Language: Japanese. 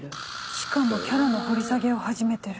しかもキャラの掘り下げを始めてる。